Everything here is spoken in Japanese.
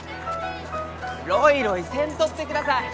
ろいろいせんとってください！